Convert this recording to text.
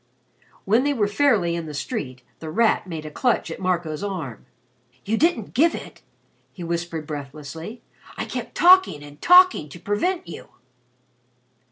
When they were fairly in the street, The Rat made a clutch at Marco's arm. "You didn't give it?" he whispered breathlessly. "I kept talking and talking to prevent you."